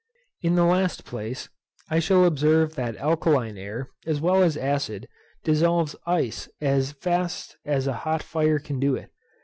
In the last place, I shall observe that alkaline air, as well as acid, dissolves ice as fast as a hot fire can do it.